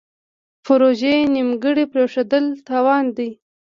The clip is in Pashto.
پروژې نیمګړې پریښودل تاوان دی.